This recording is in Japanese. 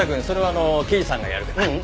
それは刑事さんがやるから。